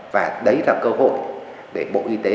và đấy là cơ hội để bộ y tế